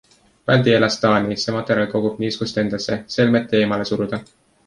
Väldi elastaani, see materjal kogub niiskust endasse, selmet eemale suruda.